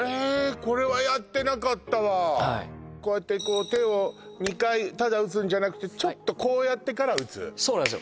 これはやってなかったわこうやってこう手を２回ただ打つんじゃなくてちょっとこうやってから打つそうなんですよ